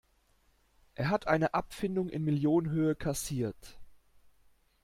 Er hat eine Abfindung in Millionenhöhe kassiert.